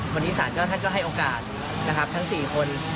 วันนี้ศาลท่านก็ให้โอกาสทั้ง๔คน